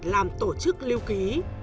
làm tổ chức lưu ký